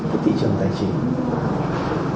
cái thị trường tài chính